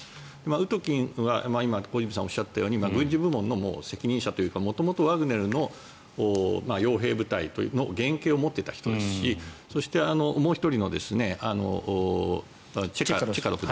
ウトキンは今、小泉さんがおっしゃったように軍事部門の責任者というか元々ワグネルの傭兵部隊の原形を持っていた人ですしそして、もう１人のチェカロフ氏。